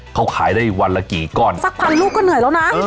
เขาขายได้วันละกี่ก้อนสักพันลูกก็เหนื่อยแล้วนะ